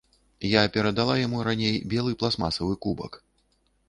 Я перадала яму раней белы пластмасавы кубак.